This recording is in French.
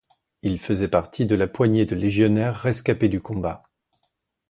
Il faisait partie de la poignée de légionnaires rescapés du combat.